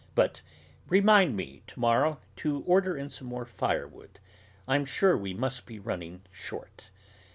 but "Remind me, to morrow, to order in some more firewood. I am sure we must be running short."